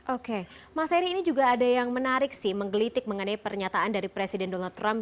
oke mas eri ini juga ada yang menarik sih menggelitik mengenai pernyataan dari presiden donald trump